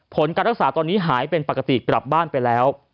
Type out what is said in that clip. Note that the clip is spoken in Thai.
ผลการรักษาตอนนี้หายเป็นปกติกลับบ้านไปแล้ว